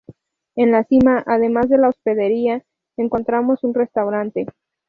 En la cima además de la hospedería encontramos un restaurante.